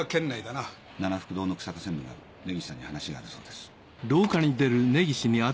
ななふく堂の日下専務が根岸さんに話があるそうです。